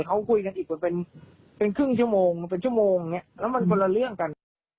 เขาคุยกันอีกเป็นครึ่งชั่วโมงเป็นชั่วโมงอย่างนี้แล้วมันคนละเรื่องกัน